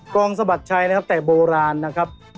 สะบัดชัยนะครับแต่โบราณนะครับ